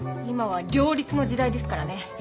今は両立の時代ですからね。